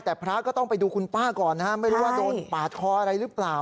แต่พระก็ต้องไปดูคุณป้าก่อนนะฮะไม่รู้ว่าโดนปาดคออะไรหรือเปล่า